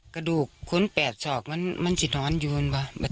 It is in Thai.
กระดูกคนแปบสอกมันมันจิตรรย์อยู่อันวาด